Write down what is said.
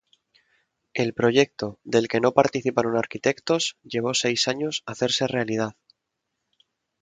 El proyecto, del que no participaron arquitectos, llevó seis años hacerse realidad.